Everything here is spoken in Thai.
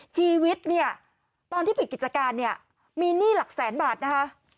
ชีวิตตอนที่ปิดกิจการมีหนี้หลักแสนบาทนะคะ